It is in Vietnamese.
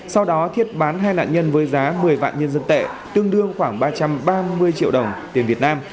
sau đó thiết bán hai nạn nhân với giá một mươi vạn nhân dân tệ tương đương khoảng ba trăm ba mươi triệu đồng tiền việt nam